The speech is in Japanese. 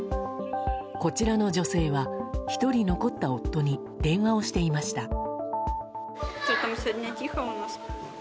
こちらの女性は１人残った夫に電話をしていました。